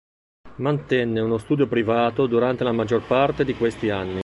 Mantenne uno studio privato durante la maggior parte di questi anni.